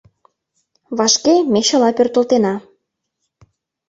Вашке ме чыла пӧртылтена.